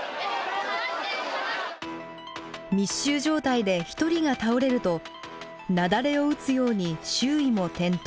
密集状態で一人が倒れると雪崩を打つように周囲も転倒。